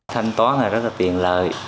thanh toán là rất là tiện lợi